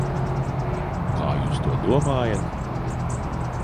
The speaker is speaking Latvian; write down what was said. Kā jūs to domājat?